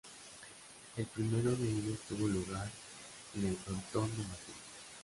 El primero de ellos tuvo lugar en el Frontón de Madrid.